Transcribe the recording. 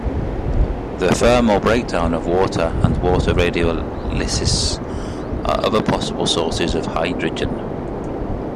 The thermal breakdown of water and water radiolysis are other possible sources of hydrogen.